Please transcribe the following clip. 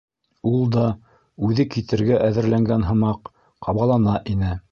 Ул да, үҙе китергә әҙерләнгән һымаҡ, ҡабалана ине.